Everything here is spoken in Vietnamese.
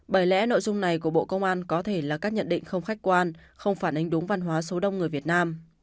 bởi lẽ nội dung này của bộ công an có thể là các nhận định không khách quan không phản ánh đúng văn hóa số đông người việt nam